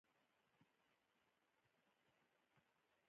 ساعت ته په پښتو کې ګړۍ وايي.